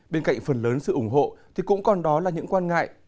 bên cạnh phần lớn sự ủng hộ thì cũng còn đó là những quan ngại